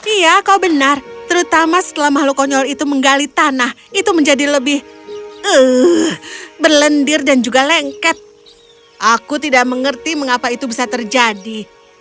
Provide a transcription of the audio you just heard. iya kau benar terutama setelah makhluk konyol itu menggali tanah itu menjadi lebih berlendir dan juga lengket aku tidak mengerti mengapa itu bisa terjadi